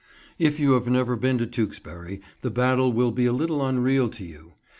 If you have never been to Tewkesbury, the battle will be a little unreal to you.